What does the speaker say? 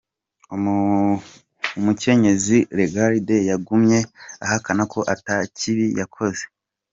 Umukenyezi Lagarde yagumye ahakana ko ata kibi yakoze.